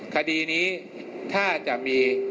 คดีนี้ถ้าจะมี